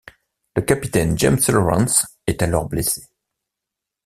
Le capitaine James Lawrence est alors blessé.